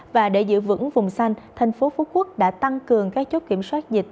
và để giữ vững vùng xanh tp hcm đã tăng cường các chốt kiểm soát dịch